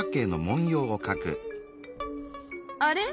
あれ？